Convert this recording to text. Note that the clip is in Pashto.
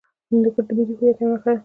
هندوکش د ملي هویت یوه نښه ده.